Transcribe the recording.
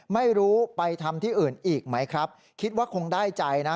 ไม่รู้ไปทำที่อื่นอีกไหมครับคิดว่าคงได้ใจนะ